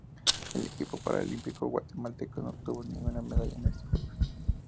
El equipo paralímpico guatemalteco no obtuvo ninguna medalla en estos Juegos.